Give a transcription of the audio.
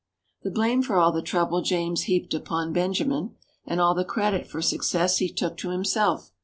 The blame for all the trouble James heaped upon Benjamin, and all the credit for success he took to himself.